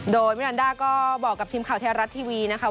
โดยมินันด้าก็บอกกับทีมข่าวไทยรัฐทีวีนะคะ